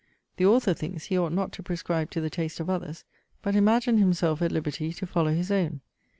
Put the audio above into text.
The author thinks he ought not to prescribe to the taste of others; but imagined himself at liberty to follow his own.